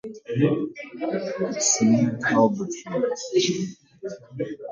It is near Caboolture.